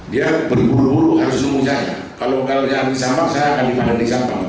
dia berburu buru harus mencari kalau dia di sampang saya akan di mandiri sampang